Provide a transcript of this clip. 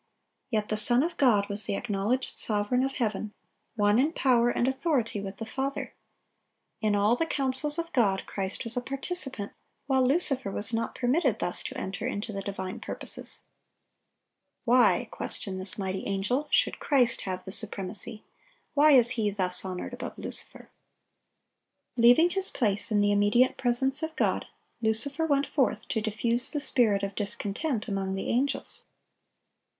Yet the Son of God was the acknowledged Sovereign of heaven, one in power and authority with the Father. In all the counsels of God, Christ was a participant, while Lucifer was not permitted thus to enter into the divine purposes. "Why," questioned this mighty angel, "should Christ have the supremacy? Why is He thus honored above Lucifer?" Leaving his place in the immediate presence of God, Lucifer went forth to diffuse the spirit of discontent among the angels.